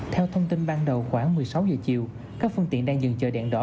theo thông tin ban đầu khoảng một mươi sáu giờ chiều các phương tiện đang dừng chờ đèn đỏ